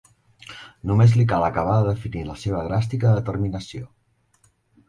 Només li cal acabar de definir la seva dràstica determinació.